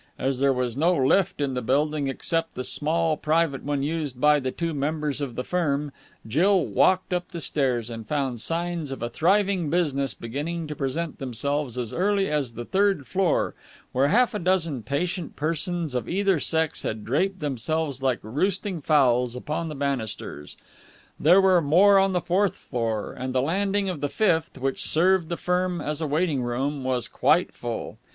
As there was no lift in the building except the small private one used by the two members of the firm, Jill walked up the stairs, and found signs of a thriving business beginning to present themselves as early as the third floor, where half a dozen patient persons of either sex had draped themselves like roosting fowls upon the banisters. There were more on the fourth floor, and the landing of the fifth, which served the firm as a waiting room, was quite full.